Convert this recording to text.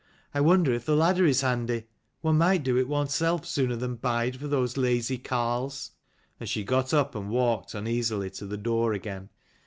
I wonder if the ladder is handy. One might do it oneself sooner than bide for those lazy carles." And she got up and walked uneasily to the door again.